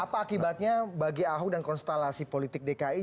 apa akibatnya bagi ahok dan konstelasi politik dki